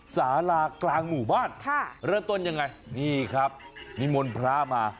สารากลางหมู่บ้านเริ่มต้นยังไงนี่ครับนิมนต์พระมา